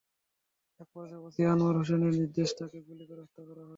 একপর্যায়ে ওসি আনোয়ার হোসেনের নির্দেশে তাঁকে গুলি করে হত্যা করা হয়।